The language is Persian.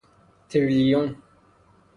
تریلیون